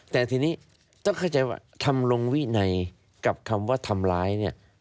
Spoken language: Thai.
แต่ทีนี้ต้องเข้าใจว่าทำลงวินัยกับคำว่าทำร้ายเนี่ย